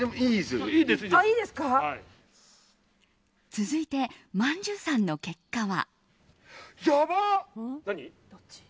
続いてまんじゅうさんの結果は。